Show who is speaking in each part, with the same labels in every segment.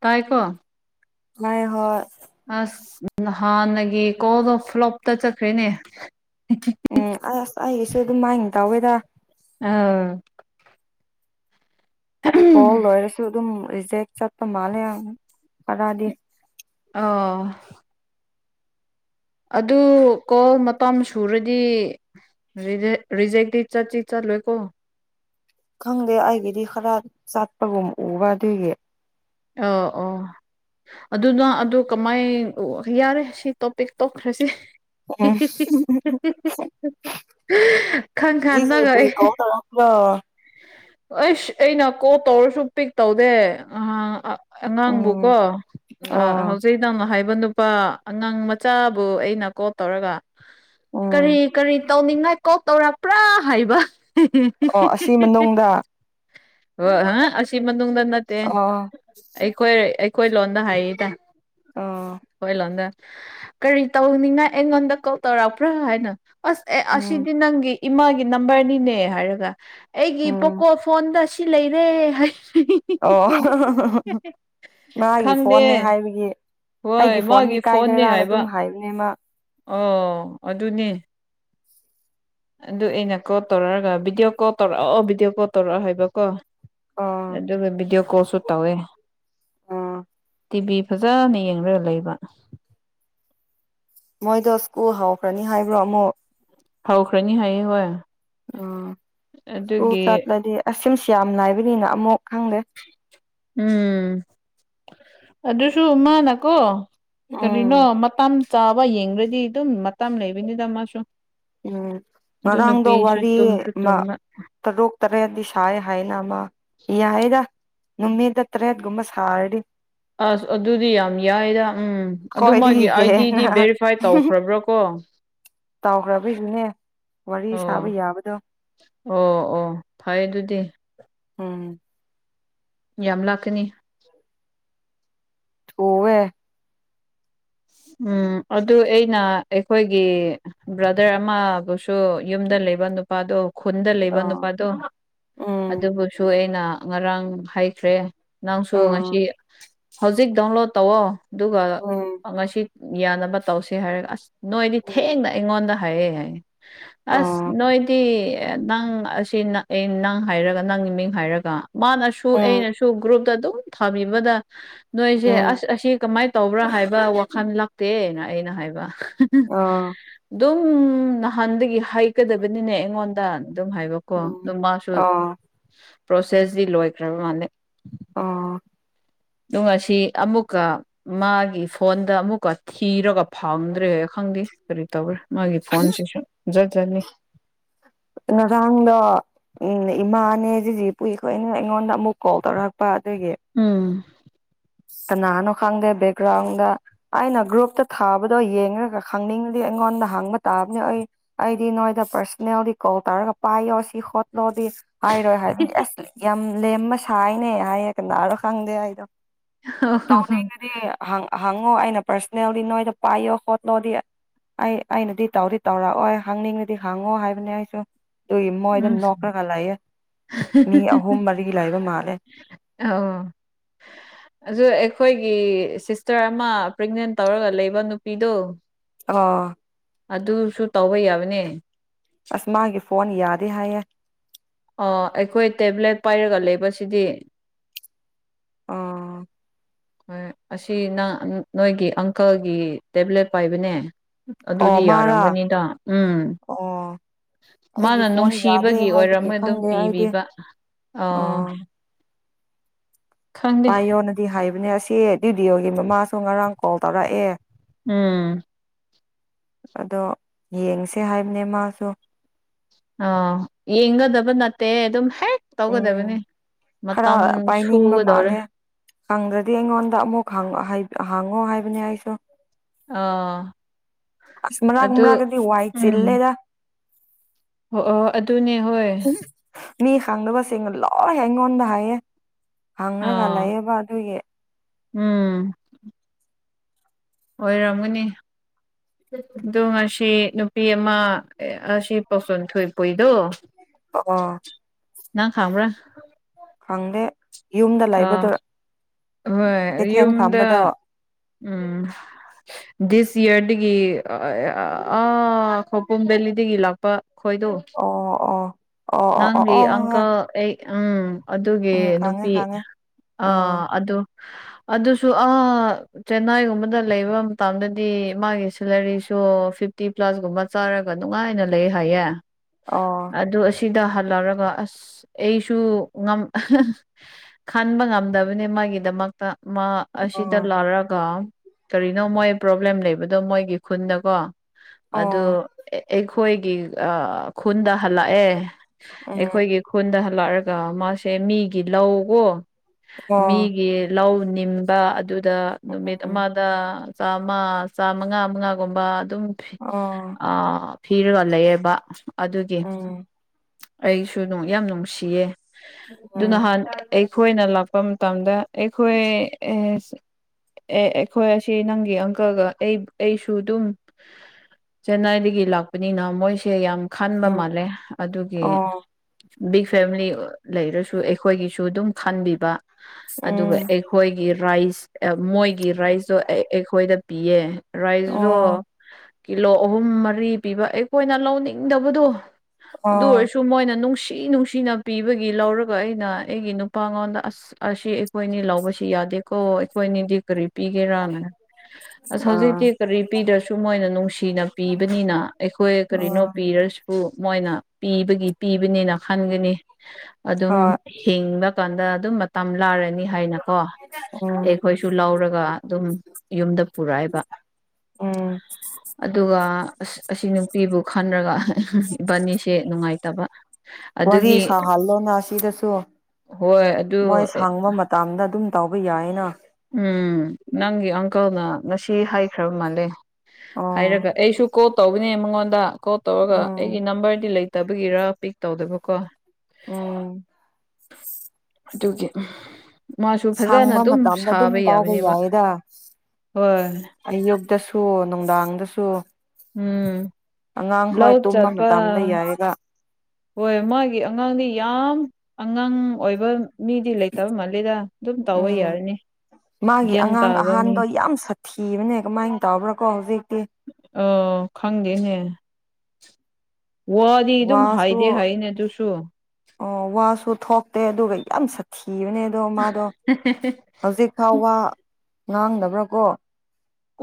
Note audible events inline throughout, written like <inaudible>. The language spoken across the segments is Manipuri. Speaker 1: ꯇꯥꯏꯀꯣ
Speaker 2: ꯂꯥꯏ ꯍꯣ
Speaker 1: ꯑꯁ ꯅꯍꯥꯟꯅꯒꯤ ꯀꯣꯜ ꯑꯣꯐ ꯐ꯭ꯂꯣꯞꯇ ꯆꯠꯈ꯭ꯔꯦꯅꯦ
Speaker 2: ꯎꯝ ꯑꯩ ꯑꯁ ꯑꯩꯒꯤꯁꯨ ꯑꯗꯨꯝ ꯃꯥꯏꯅ ꯇꯧꯋꯦꯗ
Speaker 1: ꯑꯥ <unintelligible>
Speaker 2: ꯀꯣꯜ ꯂꯣꯏꯔꯁꯨ ꯑꯗꯨꯝ ꯔꯤꯖꯦꯛ ꯆꯠꯄ ꯃꯥꯜꯂꯦ ꯈꯔꯗꯤ
Speaker 1: ꯑꯧ ꯑꯗꯨ ꯀꯣꯜ ꯃꯇꯝ ꯁꯨꯔꯗꯤ ꯔꯤꯖꯦ ꯔꯤꯖꯦꯇꯤ ꯆꯠꯇꯤ ꯆꯠꯂꯣꯏ ꯀꯣ
Speaker 2: ꯈꯪꯗꯦ ꯑꯩꯒꯤꯗꯤ ꯈꯔ ꯆꯠꯄꯒꯨꯝ ꯎꯕ ꯑꯗꯨꯏꯒꯤ
Speaker 1: ꯑꯣ ꯑꯣ ꯑꯗꯨꯅ ꯑꯗꯨ ꯀꯃꯥꯏ ꯌꯥꯔꯦ ꯁꯤ ꯇꯣꯄꯤꯛ ꯇꯣꯛꯈ꯭ꯔꯁꯤ
Speaker 2: ꯎꯝ
Speaker 1: ꯈꯪꯈꯅ <unintelligible>
Speaker 2: ꯍꯣ
Speaker 1: ꯑꯩꯁ ꯑꯩꯅ ꯀꯣꯜ ꯇꯧꯔꯁꯨ ꯄꯤꯛ ꯇꯧꯗꯦ ꯑ
Speaker 2: ꯎꯝ
Speaker 1: ꯑꯉꯥꯡꯕꯨꯀꯣ
Speaker 2: ꯑꯣ
Speaker 1: ꯍꯧꯖꯤꯛ ꯅꯪꯅ ꯍꯥꯏꯕ ꯅꯨꯄꯥ ꯑꯉꯥꯡ ꯃꯆꯥꯕꯨ ꯑꯩꯅ ꯀꯣꯜ ꯇꯧꯔꯒ ꯀꯔꯤ
Speaker 2: ꯎꯝ
Speaker 1: ꯀꯔꯤ ꯇꯧꯅꯤꯡꯉꯥꯏ ꯀꯣꯛ ꯇꯧꯔꯛꯄ꯭ꯔꯥ ꯍꯥꯏꯕ
Speaker 2: ꯁꯤ ꯃꯅꯨꯡꯗ
Speaker 1: ꯑꯁꯤ ꯃꯅꯨꯡꯗ ꯅꯠꯇꯦ
Speaker 2: ꯑꯣ
Speaker 1: ꯑꯩꯈꯣꯏ ꯑꯩꯈꯣꯏ ꯂꯣꯟꯗ ꯍꯥꯏꯌꯦꯗ
Speaker 2: ꯑꯥ
Speaker 1: ꯍꯣꯏ ꯂꯣꯟꯗ ꯀꯔꯤ ꯇꯧꯅꯤꯡꯉꯥꯏ ꯑꯩꯉꯣꯟꯗ ꯀꯣꯜ ꯇꯧꯔꯛꯄ꯭ꯔꯥ ꯍꯥꯏꯅ ꯑꯁ ꯑꯦ
Speaker 2: ꯎꯝ
Speaker 1: ꯑꯁꯤꯗꯤ ꯅꯪꯒꯤ ꯏꯃꯥꯒꯤ ꯅꯝꯕꯔꯅꯤꯅꯦ ꯍꯥꯏꯔꯒ ꯑꯩꯒꯤ
Speaker 2: ꯎꯝ
Speaker 1: ꯄꯣꯀꯣ ꯐꯣꯟꯗ ꯁꯤ ꯂꯩꯔꯦ ꯍꯥꯏ
Speaker 2: ꯑꯣ ꯃꯥꯒꯤ
Speaker 1: ꯈꯪꯗꯦ
Speaker 2: ꯐꯣꯟꯅꯦ ꯍꯥꯏꯕꯒꯤ
Speaker 1: ꯍꯣꯏ
Speaker 2: ꯑꯩꯒꯤ
Speaker 1: ꯃꯥꯒꯤ
Speaker 2: ꯐꯣꯟꯗꯤ
Speaker 1: ꯐꯣꯟꯅꯤ
Speaker 2: ꯀꯥꯏꯗꯔꯥꯅ
Speaker 1: ꯍꯥꯏꯕ
Speaker 2: ꯑꯗꯨꯝ ꯍꯥꯏꯕꯅꯦ ꯃꯥ
Speaker 1: ꯑꯣ ꯑꯗꯨꯅꯦ ꯑꯗꯨ ꯑꯩꯅ ꯀꯣꯜ ꯇꯧꯔꯛꯑꯒ ꯚꯤꯗꯤꯑꯣ ꯀꯣꯜ ꯇꯧꯔꯛꯑꯣ ꯚꯤꯗꯤꯑꯣ ꯀꯣꯜ ꯇꯧꯔꯛꯑꯣ ꯍꯥꯏꯕꯀꯣ
Speaker 2: ꯑꯥ
Speaker 1: ꯑꯗꯨꯒ ꯕꯤꯗꯤꯑꯣ ꯀꯣꯁꯨ ꯇꯧꯋꯦ
Speaker 2: ꯑꯥ
Speaker 1: ꯇꯤꯚꯤ ꯐꯖꯅ ꯌꯦꯡꯂꯒ ꯂꯩꯕ
Speaker 2: ꯃꯣꯏꯗꯣ ꯁ꯭ꯀꯨꯜ ꯍꯧꯈ꯭ꯔꯅꯤ ꯍꯥꯏꯕ꯭ꯔꯣ ꯑꯃꯨꯛ
Speaker 1: ꯍꯧꯈ꯭ꯔꯅꯤ ꯍꯥꯏꯌꯦ ꯍꯣꯏ
Speaker 2: ꯑꯣ ꯁ꯭ꯀꯨꯜ
Speaker 1: ꯑꯗꯨꯒꯤ
Speaker 2: ꯆꯠꯂꯗꯤ ꯑꯁꯤꯝꯁꯨ ꯌꯥꯝ ꯅꯥꯏꯕꯅꯤꯅ ꯑꯃꯨꯛ ꯈꯪꯗꯦ
Speaker 1: ꯎꯝ ꯑꯗꯨꯁꯨ ꯃꯥꯅꯀꯣ ꯀꯔꯤꯅꯣ
Speaker 2: ꯎꯝ
Speaker 1: ꯃꯇꯝ ꯆꯥꯕ ꯌꯦꯡꯕ꯭ꯔꯗꯤ ꯑꯗꯨꯝ ꯃꯇ ꯂꯩꯕꯅꯤꯗ ꯃꯥꯁꯨ
Speaker 2: ꯎꯝ
Speaker 1: ꯑꯗꯨ
Speaker 2: ꯉꯔꯥꯡꯗꯣ
Speaker 1: ꯅꯨꯄꯤꯁꯨ
Speaker 2: ꯋꯥꯔꯤ
Speaker 1: ꯇꯨꯝꯁꯨ
Speaker 2: ꯑꯃ
Speaker 1: ꯇꯨꯝꯕ
Speaker 2: <unintelligible> ꯇꯔꯦꯗꯤ ꯁꯥꯌꯦ ꯍꯥꯏꯅ ꯃꯥ ꯌꯥꯏꯗ <unintelligible> ꯇꯔꯦꯠ ꯒꯨꯝꯕ ꯁꯥꯔꯗꯤ
Speaker 1: ꯑꯁ ꯑꯗꯨꯗꯤ ꯌꯥꯝ ꯌꯥꯏꯗ ꯎꯝ ꯑꯗꯨ
Speaker 2: ꯈ꯭ꯋꯥꯏꯗꯒꯤ
Speaker 1: ꯃꯥꯒꯤ ꯑꯣꯏ ꯗꯤ
Speaker 2: ꯍꯦꯟꯅ
Speaker 1: ꯗꯤ ꯚꯦꯔꯤꯐꯥꯏ ꯇꯧꯈ꯭ꯔꯕ꯭ꯔꯥ ꯀꯣ
Speaker 2: ꯇꯥꯎꯈ꯭ꯔꯕꯩꯅꯦ ꯋꯥꯔꯤ
Speaker 1: ꯑꯣ
Speaker 2: ꯁꯥꯕ ꯌꯥꯕꯗꯣ
Speaker 1: ꯑꯣ ꯑꯣ ꯐꯩ ꯑꯗꯨꯗꯤ
Speaker 2: ꯎꯝ
Speaker 1: ꯌꯥꯝ ꯂꯥꯛꯀꯅꯤ
Speaker 2: ꯑꯣꯋꯦ <unintelligible>
Speaker 1: ꯎꯝ ꯑꯗꯨ ꯑꯩꯅ ꯑꯩꯈꯣꯏꯒꯤ ꯕ꯭ꯔꯗꯔ ꯑꯃꯕꯨꯁꯨ ꯌꯨꯝꯗ ꯂꯩꯕ ꯅꯨꯄꯥꯗꯣ ꯈꯨꯟꯗ ꯂꯩꯕ
Speaker 2: ꯑꯥ
Speaker 1: ꯅꯨꯄꯥꯗꯣ
Speaker 2: ꯎꯝ
Speaker 1: ꯑꯗꯨꯕꯨꯁꯨ ꯑ <inaudible> ꯑꯩꯅ ꯉꯔꯥꯡ ꯍꯥꯏꯈ꯭ꯔꯦ ꯅꯪꯁꯨ
Speaker 2: ꯑꯥ
Speaker 1: ꯉꯁꯤ ꯍꯧꯖꯤꯛ ꯗꯥꯎꯟꯂꯣꯗ ꯇꯧꯑꯣ ꯑꯗꯨꯒ
Speaker 2: ꯎꯝ
Speaker 1: ꯉꯁꯤ ꯌꯥꯅꯕ ꯇꯧꯁꯤ ꯍꯥꯏꯔꯒ, ꯑꯁ ꯅꯣꯏꯗꯤ
Speaker 2: ꯎꯝ
Speaker 1: ꯊꯦꯡꯅ ꯑꯩꯉꯣꯟꯗ ꯍꯥꯏꯌꯦ ꯑꯁ
Speaker 2: ꯑꯥ
Speaker 1: ꯅꯣꯏꯗꯤ ꯑꯦ ꯅꯪ ꯑꯁꯤ ꯅꯪ ꯍꯥꯏꯔꯒ ꯅꯪꯒꯤ ꯃꯤꯡ ꯍꯥꯏꯔꯒ ꯃꯥꯅꯁꯨ
Speaker 2: ꯎꯝ
Speaker 1: ꯑꯩꯅꯁꯨ ꯁꯨ ꯒ꯭ꯔꯨꯞꯇ ꯑꯗꯨꯝ ꯊꯥꯕꯤꯕꯗ ꯅꯣꯏꯁꯦ
Speaker 2: ꯎꯝ
Speaker 1: ꯑꯁ ꯑꯁꯤ ꯀꯃꯥꯏꯅ ꯇꯧꯕ꯭ꯔꯥ ꯍꯥꯏꯕ ꯋꯥꯈꯜ ꯂꯥꯛꯇꯦ ꯑꯩꯅ ꯍꯥꯏꯕ꯫
Speaker 2: ꯑꯣ <unintelligible>
Speaker 1: ꯑꯗꯨꯝ ꯅꯍꯥꯟꯗꯒꯤ ꯍꯥꯏꯀꯗꯕꯅꯤꯅꯦ ꯑꯩꯉꯣꯟꯗ ꯑꯗꯨꯝ ꯍꯥꯏꯕ꯫ ꯀꯣ ꯑꯗꯨ
Speaker 2: ꯎꯝ
Speaker 1: ꯃꯥꯁꯨ
Speaker 2: ꯑꯥ
Speaker 1: ꯄ꯭ꯔꯣꯁꯦꯁꯇꯤ ꯂꯣꯏꯈ꯭ꯔꯕ ꯃꯥꯜꯂꯦ꯫
Speaker 2: ꯑꯣ <unintelligible>
Speaker 1: ꯗꯨ ꯑꯁꯤ ꯑꯃꯨꯛꯀ ꯃꯥꯒꯤ ꯐꯣꯟꯗ ꯑꯃꯨꯛꯀ ꯊꯤꯔꯒ ꯐꯥꯎꯗ꯭ꯔꯦ ꯈꯪꯗꯦ ꯀꯔꯤ ꯇꯧꯔꯦ꯫ ꯃꯥꯒꯤ ꯐꯣꯟꯣꯟꯁꯤꯖꯨ ꯖꯥꯠ-ꯖꯥꯠꯅꯤ꯫
Speaker 2: ꯉꯔꯥꯡꯂꯣ꯫ ꯎꯝ ꯏꯃꯥꯅꯦ <unintelligible> ꯑꯩꯉꯣꯟꯗ ꯑꯃꯨꯛ ꯀꯧꯊꯔꯛꯄ ꯑꯗꯨꯒꯤ꯫
Speaker 1: ꯎꯝ꯫
Speaker 2: ꯀꯅꯥꯅꯣ ꯈꯪꯗꯦ ꯕꯦꯛꯒ꯭ꯔꯥꯎꯟꯗ ꯑꯩꯅ ꯒ꯭ꯔꯨꯞꯇ ꯊꯥꯕꯗꯣ ꯌꯦꯡꯉꯒ ꯈꯪꯅꯤꯡꯉꯗꯤ ꯑꯩꯉꯣꯟꯗ ꯍꯥꯡꯕ ꯇꯥꯕꯅꯤ ꯑꯩ ꯑꯩꯗꯤ ꯅꯣꯏꯗ ꯄꯔꯁꯅꯦꯜꯗꯤ ꯀꯣꯜ ꯇꯔꯒ ꯄꯥꯏꯌꯨ <unintelligible> ꯂꯣꯗꯤ ꯄꯥꯏꯔꯣꯏ ꯍꯥꯏꯕ ꯑꯁ ꯌꯥꯝ ꯂꯦꯝꯃ ꯁꯥꯏꯅꯦ ꯍꯥꯏꯌꯦ ꯀꯅꯥꯔꯣ ꯈꯪꯗꯦ ꯑꯩꯗꯣ ꯇꯧꯅꯤꯡꯉꯗꯤ ꯍꯪꯉꯣ ꯑꯩꯅ ꯄꯔꯁꯅꯦꯜꯗꯤ ꯅꯣꯏꯗ ꯄꯥꯏꯌꯣ ꯈꯣꯠꯂꯣꯗꯤ ꯑꯩ-ꯑꯩꯅꯗꯤ ꯇꯧꯗꯤ ꯇꯧꯔꯛꯑꯣꯏ ꯍꯪꯅꯤꯡꯉꯗꯤ ꯍꯪꯉꯣ ꯍꯥꯏꯕꯅꯦ ꯑꯩꯁꯨ꯫ ꯑꯗꯨꯒꯤ ꯃꯣꯏꯗꯨ
Speaker 1: ꯎꯝ
Speaker 2: ꯅꯣꯛꯈ꯭ꯔꯒ ꯂꯥꯛꯌꯦ, ꯃꯤ ꯑꯍꯨꯝ ꯃꯔꯤ ꯂꯩꯥꯕ ꯃꯥꯜꯂꯦ꯫
Speaker 1: ꯑꯣ꯫ ꯑꯗꯨ ꯑꯩꯈꯣꯏꯒꯤ ꯁꯤꯁꯇꯔ ꯑꯃ ꯄ꯭ꯔꯦꯒꯅꯦꯟ ꯇꯧꯔꯒ ꯂꯩꯕ ꯅꯨꯄꯤꯗꯣ?
Speaker 2: ꯑꯥ
Speaker 1: ꯑꯗꯨꯁꯨ ꯇꯧꯕ ꯌꯥꯕꯅꯦ꯫
Speaker 2: ꯑꯁ ꯃꯥꯒꯤ ꯐꯣꯟ ꯌꯥꯗꯦ ꯍꯥꯏꯌꯦ꯫
Speaker 1: ꯑ ꯑꯩꯈꯣꯏ ꯇꯦꯕ꯭ꯂꯦꯠ ꯄꯥꯏꯔꯒ ꯂꯩꯕꯁꯤꯗꯤ
Speaker 2: ꯑꯣ
Speaker 1: ꯍꯣꯏ ꯑꯁꯤ ꯅꯪ ꯅꯣꯏꯒꯤ ꯑꯪꯀꯜꯒꯤ ꯇꯦꯕ꯭ꯂꯦꯠ ꯄꯥꯏꯕꯅꯦ꯫
Speaker 2: ꯑꯣ
Speaker 1: ꯑꯗꯨꯗꯤ
Speaker 2: ꯃꯥꯔꯥ
Speaker 1: ꯌꯥꯔꯝꯒꯅꯤꯗ ꯎꯝ
Speaker 2: ꯑꯣ ꯑꯩꯒꯤ
Speaker 1: ꯃꯥꯅ
Speaker 2: ꯐꯣꯟ ꯌꯥꯗꯦ
Speaker 1: ꯅꯨꯡꯁꯤꯕꯒꯤ
Speaker 2: ꯍꯥꯏꯕꯒꯤ
Speaker 1: ꯑꯣꯏꯔꯝꯃꯣꯏ ꯑꯗꯨꯝ
Speaker 2: ꯈꯪꯗꯦ ꯑꯩꯗꯤ
Speaker 1: ꯄꯤꯕꯤꯕ ꯑꯥ꯫
Speaker 2: ꯑꯣ ꯄꯥꯏꯌꯣꯅꯗꯤ ꯍꯥꯏꯕꯅꯦ ꯑꯁꯤ ꯗꯨꯗꯤꯑꯣꯒꯤ ꯃꯃꯥꯁꯨ ꯉꯔꯥꯡ ꯀꯣꯜ ꯇꯧꯔꯛꯑꯦ꯫
Speaker 1: ꯎꯝ
Speaker 2: ꯑꯗꯣ ꯌꯦꯡꯁꯦ ꯍꯥꯏꯕꯅꯦ ꯃꯥꯁꯨ
Speaker 1: ꯑꯣ ꯌꯦꯡꯒꯗꯕ ꯅꯠꯇꯦ ꯑꯗꯨꯝ ꯍꯦꯛ ꯇꯧꯒꯗꯕꯅꯤ
Speaker 2: ꯎꯝ ꯈꯔ
Speaker 1: ꯃꯇꯝ ꯁꯨꯒꯗꯧꯔꯦ꯫
Speaker 2: ꯀꯪꯗ꯭ꯔꯗꯤ ꯑꯩꯉꯣꯟꯗ ꯑꯃꯨꯛ ꯍꯪ ꯍꯥꯏ ꯍꯥꯡꯉꯣ ꯍꯥꯏꯕꯅꯦ ꯑꯩꯁꯨ
Speaker 1: ꯑ <unintelligible>
Speaker 2: ꯑꯁ ꯃꯔꯛ ꯃꯔꯛꯀꯗꯤ ꯋꯥꯏ
Speaker 1: ꯎꯝ
Speaker 2: ꯆꯤꯜꯂꯦꯗ꯫
Speaker 1: ꯑꯣ ꯑꯣ ꯑꯗꯨꯅꯦ ꯍꯣꯏ꯫
Speaker 2: ꯃꯤ ꯈꯪꯅꯁꯤꯡꯅ ꯂꯣꯏ ꯑꯩꯉꯣꯟꯗ ꯍꯥꯏꯌꯦ ꯍꯪꯉꯒ
Speaker 1: ꯑꯥ
Speaker 2: ꯂꯩꯌꯦꯕ ꯑꯗꯨꯒꯤ
Speaker 1: ꯎꯝ ꯑꯣꯏꯔꯝꯒꯅꯤ ꯑꯗꯣ ꯉꯁꯤ ꯅꯨꯄꯤ ꯑꯃ ꯑꯁꯤ ꯄꯥꯎꯁꯣꯟ ꯊꯣꯏ ꯄꯨꯨꯏꯗꯣ
Speaker 2: ꯑ
Speaker 1: ꯅꯪ ꯈꯡꯕ꯭ꯔꯥ
Speaker 2: ꯈꯪꯪꯗꯦ ꯌꯨꯝꯗ ꯂꯩꯕꯗꯣ
Speaker 1: ꯑꯥ ꯍꯣꯏ
Speaker 2: ꯀꯩꯊꯦꯜ
Speaker 1: ꯌꯨꯝꯗ
Speaker 2: ꯐꯝꯕꯗꯣ
Speaker 1: ꯎꯝ ꯗꯤꯁ ꯌꯔꯗꯒꯤ ꯑ ꯈꯧꯄꯨꯝ ꯕꯦꯂꯤꯗꯒꯤ ꯂꯥꯛꯄ ꯈꯣꯏꯗꯣ
Speaker 2: ꯑꯣ ꯑꯣ ꯑꯣ ꯑꯣ ꯑꯣ
Speaker 1: ꯅꯪꯒꯤ
Speaker 2: ꯑꯣ ꯍꯣꯏ ꯍꯣꯏ
Speaker 1: ꯑꯪꯀꯜ ꯑꯩ ꯎꯝ ꯑꯗꯨꯒꯤ
Speaker 2: ꯎꯝ ꯈꯪꯉꯦ
Speaker 1: ꯅꯨꯄꯤ
Speaker 2: ꯈꯪꯉꯦ
Speaker 1: ꯑꯥ ꯑꯗꯨ ꯑꯗꯨꯁꯨ ꯑ ꯆꯦꯟꯅꯥꯏꯒꯨꯝꯕꯗ ꯂꯩꯕ ꯃꯇꯝꯗꯗꯤ ꯃꯥꯒꯤ ꯁꯦꯂꯔꯤꯁꯨ ꯐꯤꯐꯇꯤ ꯄꯂꯁꯒꯨꯝꯕ ꯆꯥꯔꯒ ꯅꯨꯡꯉꯥꯏꯅ ꯂꯩ ꯍꯥꯏꯌꯦ
Speaker 2: ꯑꯣ
Speaker 1: ꯑꯗꯨ ꯁꯤꯗ ꯍꯜꯂꯛꯔꯒ ꯑꯁ ꯑꯩꯁꯨ ꯉꯝ ꯈꯟꯕ ꯉꯝꯗꯕꯅꯤ ꯃꯥꯒꯤꯗꯃꯛꯇ ꯃꯥ
Speaker 2: ꯑꯣ
Speaker 1: ꯑꯁꯤꯗ
Speaker 2: ꯑꯣ
Speaker 1: ꯂꯥꯛꯔꯒ ꯀꯔꯤꯅꯣ ꯃꯣꯏ ꯄ꯭ꯔꯣꯕ꯭ꯂꯦꯝ ꯂꯩꯕꯗꯣ ꯃꯣꯏꯒꯤ ꯈꯨꯟꯗꯀꯣ
Speaker 2: ꯎꯝ
Speaker 1: ꯑꯗꯨ
Speaker 2: ꯑꯣ
Speaker 1: ꯑꯩꯈꯣꯏꯒꯤ ꯈꯨꯟꯗ ꯍꯜꯂꯛꯑꯦ
Speaker 2: ꯎꯝ
Speaker 1: ꯑꯩꯈꯣꯏꯒꯤ ꯈꯨꯟꯗ ꯍꯜꯂꯛꯑꯒ ꯃꯥꯁꯦ ꯃꯤꯒꯤ ꯂꯧꯀꯣ
Speaker 2: ꯑꯣ
Speaker 1: ꯃꯤꯒꯤ ꯂꯧ ꯅꯤꯕ ꯑꯗꯨꯗ ꯅꯨꯃꯤꯠ
Speaker 2: ꯎꯝ
Speaker 1: ꯑꯃ ꯆꯥꯝꯃ ꯆꯥꯃꯉꯥ ꯃꯉꯥꯒꯨꯝꯕ ꯑꯗꯨꯝ ꯐꯤꯔꯒ ꯂꯩꯌꯦꯕ ꯑꯗꯨꯒꯤ
Speaker 2: ꯎꯝ
Speaker 1: ꯑꯩꯁꯨ ꯌꯥꯝ ꯅꯨꯡꯁꯤꯌꯦ ꯑꯗꯨ
Speaker 2: ꯎꯝ
Speaker 1: ꯅꯍꯥꯟ ꯑꯩꯈꯣꯏꯅ ꯄ ꯃꯇꯝꯗ ꯑꯩꯈꯣꯏ ꯑꯦ ꯑꯩꯈꯣꯏ ꯑꯁꯤ ꯅꯪꯒꯤ ꯑꯪꯀꯜꯒ ꯑꯩ ꯑꯩꯁꯨ ꯑꯗꯨꯝ ꯆꯦꯟꯅꯥꯏꯗꯒꯤ ꯂꯥꯛꯄꯅꯤꯅ ꯃꯣꯏꯁꯦ ꯌꯥꯝ ꯈꯟꯕ ꯃꯥꯜꯂꯦ ꯑꯗꯨꯒꯤ
Speaker 2: ꯑꯣ
Speaker 1: ꯕꯤꯛ ꯐꯦꯃꯤꯂꯤ ꯂꯩꯔꯁꯨ ꯑꯩꯈꯣꯏꯒꯤ ꯁꯨ ꯑꯗꯨꯝ ꯈꯟꯕꯤꯕ ꯑꯗꯨꯒ
Speaker 2: ꯎꯝ
Speaker 1: ꯑꯩꯈꯣꯏꯒꯤ ꯔꯥꯏꯁ ꯃꯣꯏꯒꯤ ꯔꯥꯏꯁꯇꯣ ꯑꯩꯈꯣꯏꯗ ꯄꯤꯌꯦ
Speaker 2: ꯑꯣ
Speaker 1: ꯔꯥꯏꯁꯇꯣ ꯀꯤꯂꯣ ꯑꯍꯨꯝ ꯃꯔꯤ ꯄꯤꯕ ꯑꯩꯈꯣꯏꯅ ꯂꯧꯅꯤꯡꯗꯕꯗꯣ ꯑꯗꯨ
Speaker 2: ꯑꯣ
Speaker 1: ꯑꯣꯏꯔꯁꯨ ꯃꯣꯏꯅ ꯅꯨꯡꯁꯤ ꯅꯨꯡꯁꯤꯅ ꯄꯤꯕꯒꯤ ꯂꯧꯔꯒ ꯑꯩꯅ ꯑꯩꯒꯤ ꯅꯨꯄꯥꯉꯣꯟꯗ ꯑꯁ ꯑꯁꯤ ꯑꯩꯈꯣꯏꯅꯤ ꯂꯧꯕꯁꯤ ꯌꯥꯗꯦꯀꯣ ꯑꯩꯈꯣꯏꯅꯤꯗꯤ ꯀꯔꯤ ꯄꯤꯒꯦꯔꯥꯅ ꯑꯁ
Speaker 2: ꯑꯥ
Speaker 1: ꯍꯧꯖꯤꯛꯇꯤ ꯀꯔꯤ ꯄꯤꯗ꯭ꯔꯁꯨ ꯃꯣꯏꯅ ꯅꯨꯡꯁꯤꯅ ꯄꯤꯕꯅꯤꯅ ꯑꯩꯈꯣꯏ ꯀꯔꯤꯅꯣ ꯄꯤꯔꯁꯨ ꯃꯣꯏꯅ ꯄꯤꯕꯒꯤ ꯄꯤꯕꯅꯦꯅ ꯈꯟꯒꯅꯤ ꯑꯗꯨꯝ
Speaker 2: ꯑꯥ
Speaker 1: ꯍꯤꯡꯕ ꯀꯥꯟꯗ ꯑꯗꯨꯝ ꯃꯇꯝ ꯂꯥꯔꯅꯤ ꯍꯥꯏꯅꯀꯣ
Speaker 2: ꯍꯣꯏ ꯎꯝ
Speaker 1: ꯑꯩꯈꯣꯏ ꯁꯨ ꯂꯧꯔꯒ ꯑꯗꯨꯝ ꯌꯨꯝꯗ ꯄꯨꯔꯛꯑꯕ
Speaker 2: ꯎꯝ
Speaker 1: ꯑꯗꯨꯒ ꯑꯁ ꯑꯁꯤ ꯅꯨꯄꯤꯕꯨ ꯈꯟꯔꯒ ꯏꯕꯥꯅꯤꯁꯦ ꯅꯨꯡꯉꯥꯏꯇꯕ
Speaker 2: ꯋꯥꯔꯤ
Speaker 1: ꯑꯗꯨꯒꯤ
Speaker 2: ꯁꯥꯍꯜꯂꯣꯅ ꯁꯤꯗꯁꯨ
Speaker 1: ꯍꯣꯏ ꯑꯗꯨ
Speaker 2: ꯃꯣꯏ ꯁꯪꯕ ꯃ ꯇꯥꯝꯗ ꯑꯗꯨꯝ ꯇꯥꯎꯕ ꯌꯥꯏꯌꯦꯅ
Speaker 1: ꯎꯝ ꯅꯪꯒꯤ ꯑꯪꯀꯜꯅ ꯉꯁꯤ ꯍꯥꯏꯈ꯭ꯔꯕ ꯃꯥꯜꯂꯦ
Speaker 2: ꯑꯣ
Speaker 1: ꯍꯥꯏꯔꯒ ꯑꯩꯁꯨ ꯀꯣꯜ ꯇꯧꯕꯅꯦ ꯃꯉꯣꯟꯗ ꯀꯣꯜ ꯇꯧꯔꯒ
Speaker 2: ꯎꯝ
Speaker 1: ꯑꯩꯒꯤ ꯅꯝꯕꯔꯗꯤ ꯂꯩꯇꯕꯒꯤꯔ ꯄꯤꯛ ꯇꯧꯗꯕꯀꯣ
Speaker 2: ꯎꯝ
Speaker 1: ꯑꯗꯨꯒꯤ ꯃꯥꯁꯨ ꯐꯖꯅ
Speaker 2: ꯁꯪꯕ
Speaker 1: ꯑꯗꯨꯝ
Speaker 2: ꯃꯇꯝꯗ ꯑꯗꯨꯝ
Speaker 1: ꯇꯥꯕ
Speaker 2: ꯇꯧꯕ
Speaker 1: ꯌꯥꯕꯅꯦꯕ
Speaker 2: ꯌꯥꯏꯌꯦꯗ
Speaker 1: ꯍꯣꯏ
Speaker 2: ꯑꯌꯨꯛꯇꯁꯨ ꯅꯨꯡꯗꯥꯡꯗꯁꯨ
Speaker 1: ꯎꯝ
Speaker 2: ꯑꯉꯥꯡ ꯍꯣꯏ
Speaker 1: ꯂꯧ
Speaker 2: ꯇꯨꯝꯕ
Speaker 1: ꯆꯠꯄ
Speaker 2: ꯃꯇꯝꯗ ꯌꯥꯏꯑꯕ
Speaker 1: ꯍꯣꯏ ꯃꯣꯏꯒꯤ ꯑꯉꯥꯡꯗꯤ ꯌꯥꯝ ꯑꯉꯥꯡ ꯑꯣꯏꯕ ꯃꯤꯗꯤ ꯂꯩꯇꯕ ꯃꯥꯜꯂꯤꯗ ꯑꯗꯨꯝ ꯇꯧꯕ
Speaker 2: ꯎꯝ
Speaker 1: ꯌꯥꯔꯅꯤ ꯒ꯭ꯌꯥꯟ ꯇꯥꯕ ꯃꯤ
Speaker 2: ꯊꯤꯕꯅꯦ ꯀꯃꯥꯏꯟ ꯇꯧꯕ꯭ꯔꯥꯀꯣ ꯍꯧꯖꯤꯛꯇꯤ
Speaker 1: ꯑꯣ ꯈꯪꯗꯦꯅꯦ ꯋꯥꯗꯤ ꯑꯗꯨꯝ
Speaker 2: ꯋꯥꯁꯨ
Speaker 1: ꯍꯥꯏꯗꯦ ꯍꯥꯏꯌꯦꯅꯦ ꯑꯗꯨꯁꯨ
Speaker 2: ꯑꯣ ꯋꯥꯁꯨ ꯊꯣꯛꯇꯦ ꯑꯗꯨꯒ ꯌꯥꯝ ꯁꯥꯊꯤꯕꯅꯦ ꯑꯗꯣ ꯃꯥꯗꯣ ꯍꯧꯖꯤꯛ ꯃꯥ ꯋꯥ ꯉꯥꯡꯗꯕ꯭ꯔ ꯀꯣ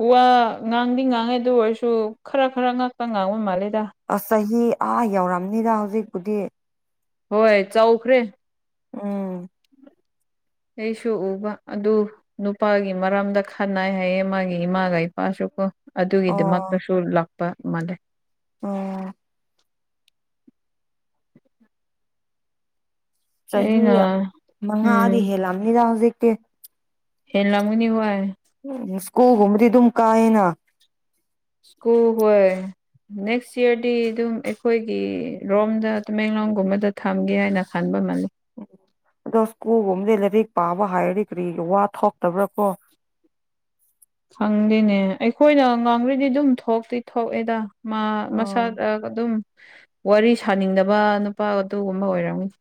Speaker 1: ꯋꯥ ꯉꯥꯡꯗꯤ ꯉꯥꯡꯉꯦ ꯑꯗꯨ ꯑꯣꯏꯔꯁꯨ ꯈꯔ ꯈꯔ ꯉꯛꯇ ꯉꯥꯡꯕ ꯃꯥꯜꯂꯦꯗ
Speaker 2: ꯑꯁ ꯆꯍꯤ ꯑꯥ ꯌꯧꯔꯝꯅꯤꯗ ꯍꯧꯖꯤꯛꯄꯨꯗꯤ
Speaker 1: ꯍꯣꯏ ꯆꯧꯈ꯭ꯔꯦ
Speaker 2: ꯎꯝ
Speaker 1: ꯑꯩꯁꯨ ꯎꯕ ꯑꯗꯨ ꯅꯨꯄꯥꯒꯤ ꯃꯔꯝꯗ ꯈꯟꯅꯩ ꯍꯥꯏꯌꯦ ꯃꯥꯒꯤ ꯏꯃꯥꯒ ꯏꯄꯥꯁꯨ ꯀꯣ
Speaker 2: ꯑꯣ
Speaker 1: ꯑꯗꯨꯒꯤꯗꯃꯛꯇꯁꯨ ꯂꯥꯛꯄ ꯃꯥꯜꯂꯦ
Speaker 2: ꯑꯣ ꯆꯍꯤ
Speaker 1: ꯑꯩꯅ
Speaker 2: ꯃꯉꯥꯗꯤ
Speaker 1: ꯎꯝ
Speaker 2: ꯍꯦꯜꯂꯝꯅꯤꯗ ꯍꯧꯖꯤꯛꯇꯤ
Speaker 1: ꯍꯦꯜꯂꯝꯒꯅꯤꯕꯨ ꯍꯥꯏ
Speaker 2: <unintelligible> ꯁ꯭ꯀꯨꯜꯒꯨꯝꯕꯗꯤ ꯑꯗꯨꯝ ꯀꯥꯏꯌꯦꯅ
Speaker 1: ꯁ꯭ꯀꯨꯜ ꯍꯣꯏ ꯅꯦꯛꯁ ꯌꯤꯑꯔꯗꯤ ꯑꯗꯨꯝ ꯑꯩꯈꯣꯏꯒꯤ ꯔꯣꯝꯗ ꯇꯃꯦꯡꯂꯣꯡꯒꯨꯝꯕꯗ ꯊꯝꯒꯦ ꯍꯥꯏꯅ ꯈꯟꯕ ꯃꯥꯜꯂꯦ
Speaker 2: ꯑꯗꯣ ꯁ꯭ꯀꯨꯜꯒꯨꯝꯕꯗꯤ ꯂꯥꯏꯔꯤꯛ ꯄꯥꯕ ꯍꯩꯔꯗꯤ ꯀꯔꯤꯒꯤ ꯋꯥ ꯊꯣꯛꯇꯥꯕ꯭ꯔ ꯀꯣ
Speaker 1: ꯈꯪꯗꯦꯅꯦ ꯑꯩꯈꯣꯏꯅ ꯉꯥꯡꯔꯗꯤ ꯑꯗꯨꯝ ꯊꯣꯛꯇꯤ ꯊꯣꯛꯑꯦꯗ ꯃꯥ
Speaker 2: ꯑꯣ
Speaker 1: ꯃꯁꯛ ꯑ ꯑꯗꯨꯝ ꯋꯥꯔꯤ ꯁꯥꯅꯤꯡꯗꯕ ꯅꯨꯄꯥ ꯑꯗꯨꯒꯨꯝꯕ ꯑꯣꯏꯔꯝꯒꯅꯤ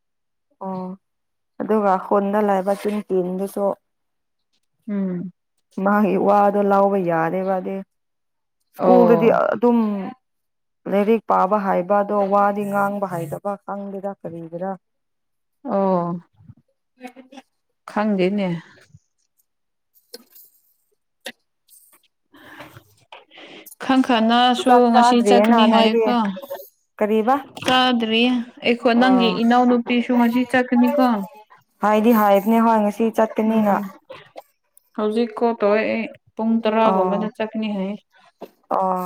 Speaker 2: ꯑꯣ ꯑꯗꯨꯒ ꯈꯨꯟꯗ ꯂꯩꯕ <unintelligible>
Speaker 1: ꯎꯝ
Speaker 2: ꯃꯥꯒꯤ ꯋꯥꯗꯣ ꯂꯧꯕ ꯌꯥꯗꯦꯕ ꯑꯗꯤ ꯁ꯭ꯀꯨꯜꯗꯗꯤ
Speaker 1: ꯑꯣ
Speaker 2: ꯑꯗꯨꯝ ꯂꯩꯔꯤꯛ ꯄꯥꯕ ꯍꯩꯕ ꯑꯗꯣ ꯋꯥꯗꯤ ꯉꯥꯡꯕ ꯍꯩꯗꯕ ꯈꯪꯗꯦꯗ ꯀꯔꯤꯒꯤꯔꯥ
Speaker 1: ꯑꯣ ꯈꯪꯗꯦꯅꯦ
Speaker 2: <unintelligible>
Speaker 1: ꯈꯪ ꯈꯪꯅꯁꯨ
Speaker 2: ꯆꯥꯛ
Speaker 1: ꯉꯁꯤ
Speaker 2: ꯆꯥꯗ꯭ꯔꯤꯌꯦꯅ
Speaker 1: ꯆꯠꯀꯅꯤ
Speaker 2: ꯅꯣꯏꯗꯤ
Speaker 1: ꯍꯥꯏꯌꯦꯀꯣ
Speaker 2: ꯀꯔꯤꯕ
Speaker 1: ꯆꯥꯗ꯭ꯔꯤꯌꯦ ꯑꯩꯈꯣ ꯅꯪꯒꯤ
Speaker 2: ꯑꯥ
Speaker 1: ꯏꯅꯥꯎꯅꯨꯄꯤꯁꯨ ꯉꯁꯤ ꯆꯠꯀꯅꯤꯀꯣ
Speaker 2: ꯍꯥꯏꯗꯤ ꯍꯥꯏꯕꯅꯦ ꯍꯣꯏ ꯉꯁꯤ ꯆꯠ
Speaker 1: ꯎꯝ ꯍꯧꯖꯤꯛ ꯀꯣꯜ ꯇꯧꯋꯦ ꯑꯩ ꯄꯨꯡ
Speaker 2: ꯑꯣ
Speaker 1: ꯇꯔꯥꯒꯨꯝꯕꯗ ꯆꯠꯀꯅꯤ ꯍꯥꯏꯌꯦ
Speaker 2: ꯑꯣ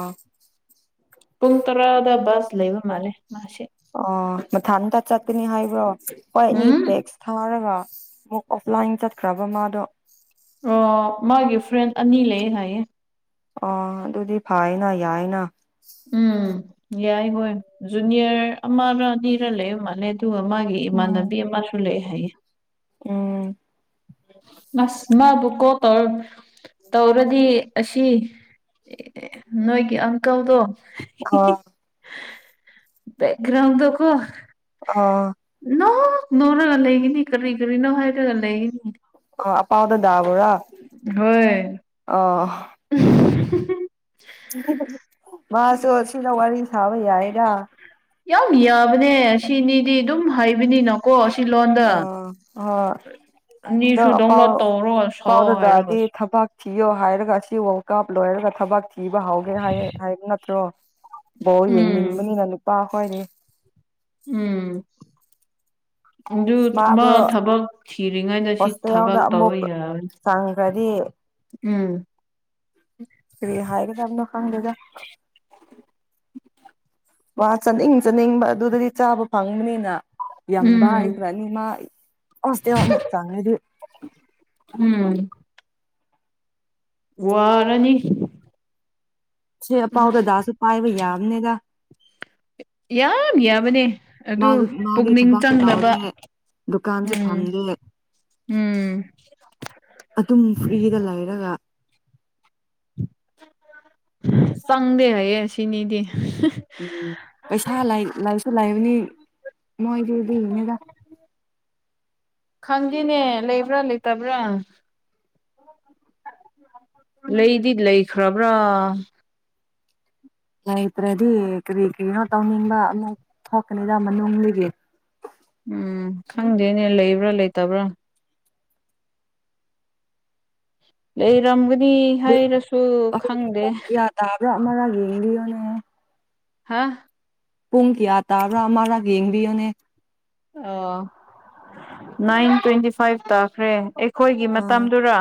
Speaker 1: ꯄꯨꯡ ꯇꯔꯥꯗ ꯕꯁ ꯂꯩꯕ ꯃꯥꯜꯂꯦ ꯃꯥꯁꯤ
Speaker 2: ꯑꯣ ꯃꯊꯟꯇ ꯆꯠꯀꯅꯤ ꯍꯥꯏꯕ꯭ꯔꯣ ꯈꯣꯏ ꯑꯅꯤ
Speaker 1: ꯎꯝ
Speaker 2: ꯇꯦꯛꯁ ꯊꯥꯔꯒ ꯑꯃꯨꯛ ꯑꯣꯐꯂꯥꯏꯟ ꯆꯠꯈ꯭ꯔꯕ ꯃꯥꯗꯣ
Speaker 1: ꯑꯣ ꯃꯥꯒꯤ ꯐ꯭ꯔꯦꯟ ꯑꯅꯤ ꯂꯩꯌꯦ ꯍꯥꯏꯌꯦ
Speaker 2: ꯑꯥ ꯑꯗꯨꯗꯤ ꯐꯩꯌꯦꯅ ꯌꯥꯏꯌꯦꯅ
Speaker 1: ꯎꯝ ꯌꯥꯏ ꯍꯣꯏ ꯖꯨꯅꯤꯌꯔ ꯑꯃꯔꯥ ꯑꯅꯤꯔꯥ ꯂꯩꯕ ꯃꯥꯜꯂꯦ ꯑꯗꯨꯒ ꯃꯥꯒꯤ
Speaker 2: ꯎꯝ
Speaker 1: ꯏꯃꯥꯟꯅꯕꯤ ꯑꯃꯁꯨ ꯂꯩ ꯍꯥꯏꯌꯦ
Speaker 2: ꯎꯝ
Speaker 1: ꯅꯁ ꯃꯥꯕꯨ ꯀꯣꯜ ꯇꯧꯔ ꯇꯧꯔꯗꯤ ꯑꯁꯤ ꯑꯦ ꯅꯣꯏꯒꯤ ꯑꯪꯀꯜꯗꯣ
Speaker 2: ꯑ
Speaker 1: ꯕꯦꯛꯒ꯭ꯔꯥꯎꯟ ꯗꯣ ꯀꯣ
Speaker 2: ꯑꯥ
Speaker 1: ꯅꯣꯛ ꯅꯣꯛꯔꯒ ꯂꯩꯒꯅꯤ ꯀꯔꯤ ꯀꯔꯤꯅꯣ ꯍꯥꯏꯔꯒ ꯂꯩꯒꯅꯤ
Speaker 2: ꯑꯣ ꯑꯄꯥꯥꯎꯗꯣ ꯇꯕ꯭ꯔꯥ
Speaker 1: ꯍꯣꯏ
Speaker 2: ꯑꯣ
Speaker 1: <unintelligible>
Speaker 2: <unintelligible> ꯃꯥꯁꯨ ꯑꯁꯤꯗ ꯋꯥꯔꯤ ꯁꯥꯕ ꯌꯥꯏꯌꯦꯔ
Speaker 1: ꯌꯥꯝ ꯌꯥꯕꯅꯦ ꯑꯁꯤꯅꯤꯗꯤ ꯑꯗꯨꯝ ꯍꯩ ꯍꯩꯅꯤꯅꯀꯣ ꯑꯁꯤ ꯂꯣꯟꯗ
Speaker 2: ꯑ ꯍꯣꯏ ꯑꯗꯣ
Speaker 1: ꯑꯅꯤꯁꯨ
Speaker 2: ꯑꯄꯥꯎ
Speaker 1: ꯗꯗꯥꯎꯟꯂꯣꯗ ꯇꯧꯔꯣ ꯁꯛꯑꯣ
Speaker 2: ꯄꯥꯎꯗꯗꯗꯤ
Speaker 1: ꯍꯥꯏꯔꯒꯁꯨ
Speaker 2: ꯊꯕꯛ ꯊꯤꯌꯣ ꯍꯥꯏꯔꯒ ꯑꯁꯤ ꯋꯥꯔꯜ ꯀꯞ ꯂꯣꯏꯔꯒ ꯊꯕꯛ ꯊꯤꯕ ꯍꯧꯎꯒꯦ ꯍꯥꯏ ꯍꯥꯏꯕ ꯅꯠꯇ꯭ꯔꯣ ꯕꯣꯜ
Speaker 1: ꯎꯝ
Speaker 2: ꯌꯦꯡꯅꯤꯡꯕꯅꯤꯅ ꯅꯨꯄꯥ ꯍꯣꯏꯔꯤ
Speaker 1: ꯎꯝ ꯑꯗꯨ ꯃꯥ
Speaker 2: ꯃꯥꯗꯣ
Speaker 1: ꯊꯕꯛ ꯊꯤꯔꯤꯉꯩꯗ ꯁꯤ ꯊꯕꯛ ꯇꯧꯕ ꯌꯥꯔꯣꯏ
Speaker 2: ꯆꯪꯒꯔꯗꯤ
Speaker 1: ꯎꯝ
Speaker 2: ꯀꯔꯤ ꯍꯥꯏꯒꯗꯅꯣ ꯈꯪꯗꯦꯗ ꯋꯥ ꯆꯥꯅꯤꯡ ꯆꯥꯅꯤꯡꯕ ꯑꯗꯨꯗꯗꯤ ꯆꯥꯕ ꯐꯪꯕꯅꯤꯅ ꯌꯥꯝ
Speaker 1: ꯎꯝ
Speaker 2: ꯕꯥꯏꯈꯔꯥꯅꯤ ꯃꯥ ꯍꯣꯏꯇꯦꯜ ꯑꯃꯨꯛ ꯆꯪꯉꯗꯤ
Speaker 1: ꯎꯝ ꯋꯥꯔꯅꯤ
Speaker 2: ꯁꯤꯐꯥꯎꯗꯤ
Speaker 1: ꯑꯁ
Speaker 2: ꯗꯥꯁꯨ ꯄꯥꯕ ꯌꯥꯕꯅꯦꯗ
Speaker 1: ꯌꯥꯝ ꯌꯥꯕꯅꯦ ꯑꯗꯨ
Speaker 2: ꯃꯥꯗꯨ ꯃꯥꯗꯤ
Speaker 1: ꯄꯨꯛꯅꯤꯡ
Speaker 2: ꯊꯕꯛꯁꯨ
Speaker 1: ꯆꯪꯅꯕ
Speaker 2: ꯇꯧꯗꯦ ꯗꯨꯀꯥꯟꯁꯨ ꯐꯝꯗꯦ
Speaker 1: ꯎꯝ
Speaker 2: ꯑꯗꯨꯝ ꯐ꯭ꯔꯤꯗ ꯂꯩꯔꯒ
Speaker 1: ꯆꯪꯗꯦ ꯍꯌꯦ ꯁꯤꯅꯤꯗꯤ
Speaker 2: ꯎꯝ ꯄꯩꯁꯥ ꯂ ꯂꯥꯏꯔꯤꯛꯁꯨ ꯂꯥꯏꯕꯅꯤ ꯃꯥꯏꯗꯨꯗꯤ ꯅꯤꯗ
Speaker 1: ꯈꯪꯗꯦꯅꯦ ꯂꯩꯕ꯭ꯔꯥ ꯂꯩꯇꯕ꯭ꯔꯥ ꯂꯩꯗꯤ ꯂꯩꯈ꯭ꯔꯕ꯭ꯔꯥ
Speaker 2: ꯂꯩꯇ꯭ꯔꯗꯤ ꯀꯔꯤ ꯀꯔꯤꯅꯣ ꯇꯧꯅꯤꯡꯕ ꯑꯃꯨꯛ ꯊꯣꯛꯀꯅꯤꯗ ꯃꯅꯨꯡꯗꯨꯒꯤ
Speaker 1: ꯎꯝ ꯈꯪꯗꯦꯅꯦ ꯂꯩꯕ꯭ꯔꯥ ꯂꯩꯇꯕ꯭ꯔꯥ ꯂꯩꯔꯝꯒꯅꯤ ꯍꯥꯏꯔꯁꯨ ꯈꯪꯗꯦ
Speaker 2: ꯇꯕ꯭ꯔ ꯑꯃ ꯌꯦꯡꯂꯤꯑꯣꯅꯦ
Speaker 1: ꯍꯥꯥ
Speaker 2: ꯄꯨꯡ ꯀꯌꯥ ꯇꯥꯕ꯭ꯔꯥ ꯑꯃꯔꯛ ꯌꯦꯡꯕꯤꯌꯨꯅꯦ
Speaker 1: ꯑ ꯅꯥꯏꯟ ꯇ꯭ꯋꯦꯟꯇꯤ ꯐꯥꯏꯚ ꯇꯥꯈ꯭ꯔꯦ ꯑꯩꯈꯣꯏꯒꯤ
Speaker 2: ꯑꯥ
Speaker 1: ꯃꯇꯝꯗꯨꯔꯥ